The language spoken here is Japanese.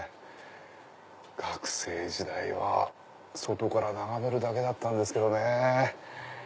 学生時代は外から眺めるだけだったんですけどね。